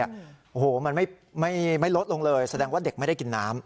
โอ้โหมันไม่ลดลงเลยแสดงว่าเด็กไม่ได้กินน้ำ